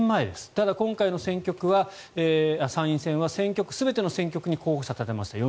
ただ、今回の選挙区は参院選は全ての選挙区に候補者を立てました。